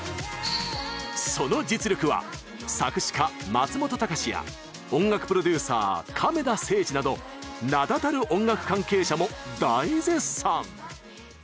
その実力は作詞家松本隆や音楽プロデューサー亀田誠治など名だたる音楽関係者も大絶賛！